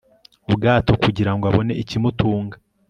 ubwato kugira ngo abone ikimutunga